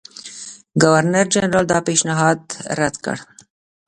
ګورنرجنرال دا پېشنهاد رد کړ.